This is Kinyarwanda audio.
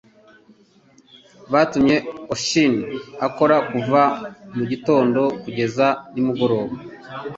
Batumye Oshin akora kuva mugitondo kugeza nimugoroba.